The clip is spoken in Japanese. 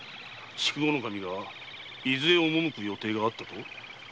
筑後守が伊豆へ赴く予定があったと？